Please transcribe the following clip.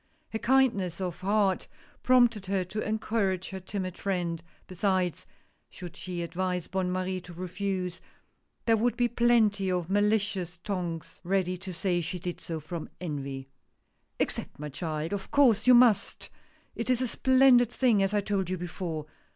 Her kindness of heart prompted her to encourage her timid friend — besides, should she advise Bonne Marie to refuse, there would be plenty of malicious tongues ready to say she did so from envy. "Accept, my child! of course you must — it is a splendid thing as I told you before.